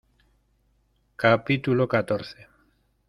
capítulo catorce.